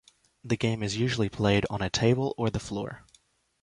The game is usually played on a table or the floor.